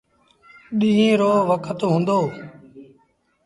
ڏيٚݩهݩ رو وکت هُݩدو۔